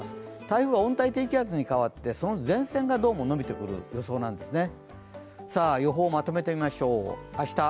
台風は温帯低気圧に変わってその前線がどうも伸びてくる予想なんですね。